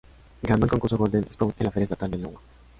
Ganó el concurso Golden Sprout en la Feria Estatal de Iowa.